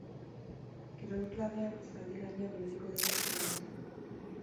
Kirol klabean zaldi gainean ibiliko dira aste honetan.